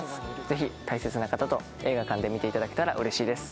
ぜひ大切な方と映画館で見ていただけたら嬉しいです